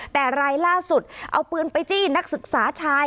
แต่รายล่าสุดเอาปืนไปจี้นักศึกษาชาย